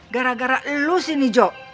gara gara lu sini jok